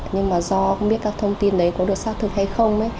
nhưng mà do không biết các thông tin đấy có được xác thực hay không